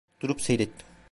Durup seyrettim.